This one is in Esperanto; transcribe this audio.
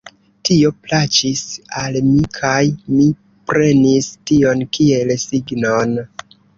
Tio plaĉis al mi kaj mi prenis tion kiel signon.